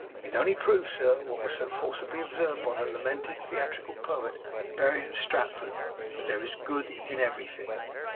It only proves, sir, what was so forcibly observed by the lamented theatrical poet buried at Stratford that there is good in everything.